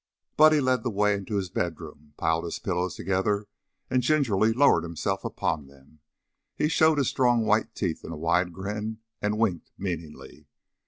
Buddy led the way into his bedroom, piled his pillows together and gingerly lowered himself upon them. He showed his strong white teeth in a wide grin and winked meaningly.